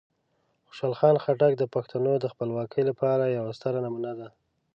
خوشحال خان خټک د پښتنو د خپلواکۍ لپاره یوه ستره نمونه ده.